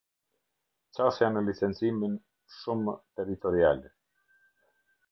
Qasja në licencimin shumë -territorial.